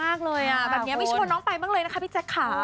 ถ้าเธอเสลที่ไหนไม่รู้หรอกนะคะแต่ว่าแจ็คกะเรียนะคะ